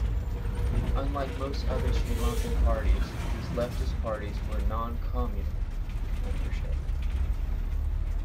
Unlike most other Sri Lankan parties, these leftist parties were noncommunal in membership.